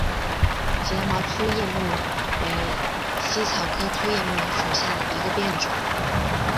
睫毛粗叶木为茜草科粗叶木属下的一个变种。